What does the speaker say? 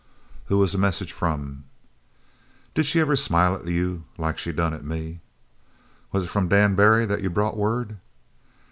"Who was the message from?" "Did she ever smile at you like she done at me?" "Was it from Dan Barry that you brought word?"